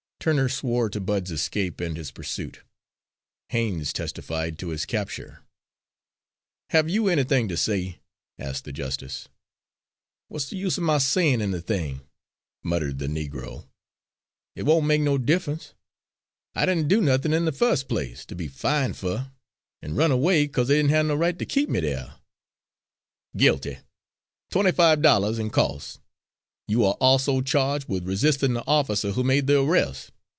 Turner swore to Bud's escape and his pursuit. Haines testified to his capture. "Have you anything to say?" asked the justice. "What's de use er my sayin' anything," muttered the Negro. "It won't make no diff'ence. I didn' do nothin', in de fus' place, ter be fine' fer, an' run away 'cause dey did n' have no right ter keep me dere." "Guilty. Twenty five dollars an' costs. You are also charged with resisting the officer who made the arrest.